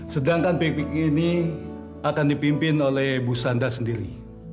sedangkan piknik ini akan dipimpin oleh bu sandra sendiri